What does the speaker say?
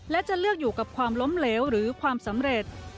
และจะเลือกอยู่กับความล้มเหลวหรือความสำเร็จ